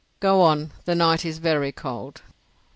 "Go on. The night is very cold."